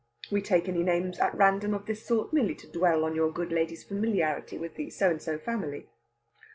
We take any names at random of this sort, merely to dwell on your good lady's familiarity with the So and so family.